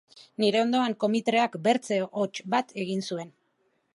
Nire ondoan komitreak bertze hots bat egin zuen.